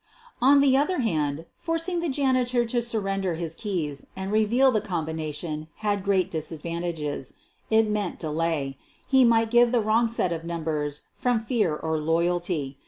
On the other hand, forcing the janitor to surren der his keys and reveal the combination had great disadvantages. It meant delay. He might give the wrong set of numbers from fear or loyalty.